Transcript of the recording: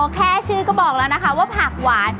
แค่ชื่อก็บอกแล้วนะคะว่าผักหวาน